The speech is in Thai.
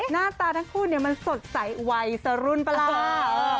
หน้าตาทั้งคู่มันสดใสไหวสรุ้นปะแล้ว